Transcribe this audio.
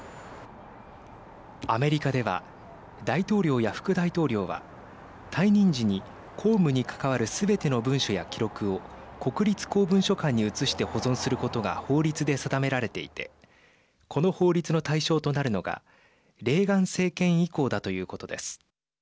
アメリカでは大統領や副大統領は退任時に公務に関わるすべての文書や記録を国立公文書館に移して保存することが法律で定められていてこの法律の対象となるのがレーガン政権以降だということです。